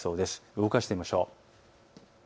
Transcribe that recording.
動かしてみましょう。